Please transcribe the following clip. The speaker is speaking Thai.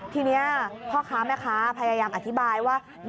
ทีนี้พ่อค้าแม่ค้าพยายามอธิบายว่า